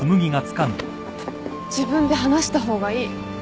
自分で話した方がいい。